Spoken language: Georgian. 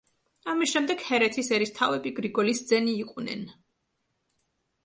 ამის შემდეგ ჰერეთის ერისთავები გრიგოლისძენი იყვნენ.